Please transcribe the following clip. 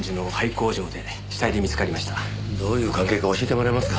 どういう関係か教えてもらえますか？